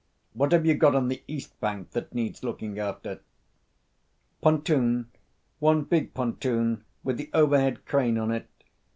What have you got on the east bank that needs looking after? "Pontoon one big pontoon with the overhead crane on it.